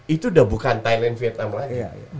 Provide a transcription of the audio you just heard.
itu udah bukan thailand vietnam lagi